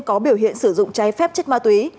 có biểu hiện sử dụng trái phép chất ma túy